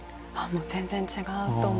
全然違うと思います。